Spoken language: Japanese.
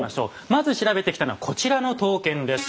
まず調べてきたのはこちらの刀剣です。